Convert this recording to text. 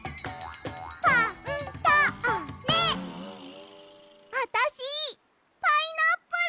「ファ・ン・タ・ー・ネ」あたしパイナップル！